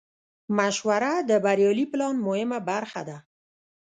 مشوره د بریالي پلان مهمه برخه ده.